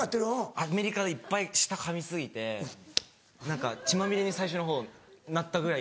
アメリカでいっぱい舌かみ過ぎて何か血まみれに最初のほうなったぐらい。